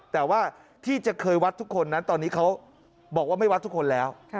แต่ว่าที่จะเคยวัดทุกคนนั้นตอนนี้เขาบอกว่าไม่วัดทุกคนแล้ว